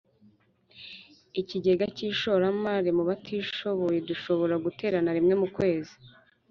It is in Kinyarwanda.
ikigega cy ishoramari mu batishoboyedushobora guterana rimwe mu kwezi